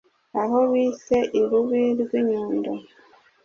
aho bise i rubi rw'i nyundo